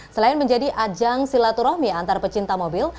selain menjadi ajang silaturahmi antar pecinta mobil